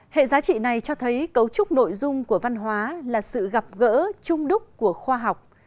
hệ giá trị này cho thấy cấu trúc nội dung của văn hóa là sự gặp gỡ trung đúc của khoa học